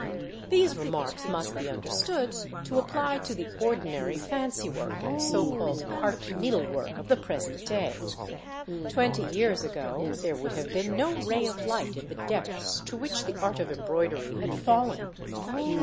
These remarks must be understood to apply to the ordinary fancy work and so called "art needlework" of the present day. Twenty years ago there would have been no ray of light in the depths to which the art of embroidery had fallen.